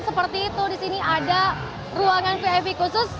seperti itu di sini ada ruangan vip khusus